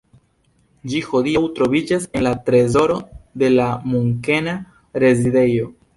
Ĝi hodiaŭ troviĝas en la trezoro de la Munkena Rezidejo.